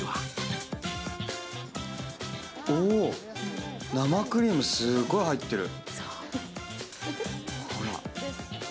お、生クリームすごい入ってる。